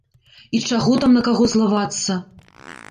І чаго там на каго злавацца?